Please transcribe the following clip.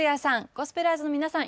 ゴスペラーズの皆さん